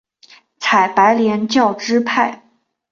采白莲教支派。